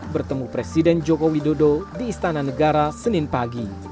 bertemu presiden jokowi dodo di istana negara senin pagi